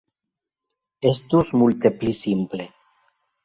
Estus multe pli simple.